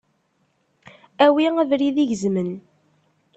Awi abrid igezmen!